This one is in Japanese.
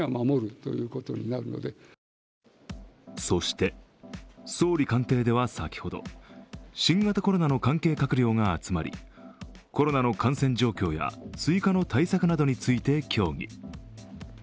そして、総理官邸では先ほど新型コロナの関係閣僚が集まり、コロナの感染状況や追加の対策などについて協議。